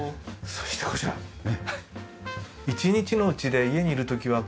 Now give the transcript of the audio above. そしてこちらね。